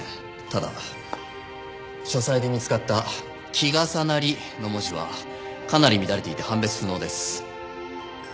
ただ書斎で見つかった「きがさなり」の文字はかなり乱れていて判別不能です。